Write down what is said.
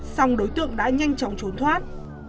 xong đối tượng đã nhanh chóng trốn thoát